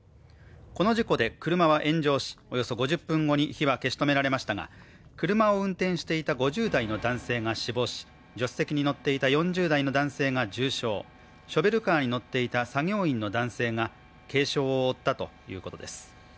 この事故で車は炎上しおよそ５０分後に火は消し止められましたが車を運転していた５０代の男性が死亡し助手席に乗っていた４０代の男性が重傷、ショベルカーに乗っていた作業員の男性が軽傷を負ったＷＴＯいうことです。